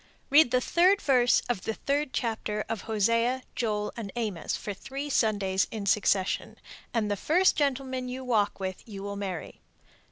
Read the third verse of the third chapter of Hosea, Joel, and Amos for three Sundays in succession, and the first gentleman you walk with you will marry.